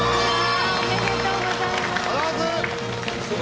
ありがとうございます。